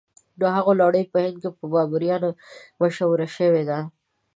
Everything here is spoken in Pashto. د هغوی لړۍ په هند کې په بابریانو مشهوره شوې ده.